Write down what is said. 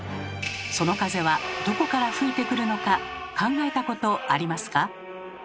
その風はどこから吹いてくるのか考えたことありますか？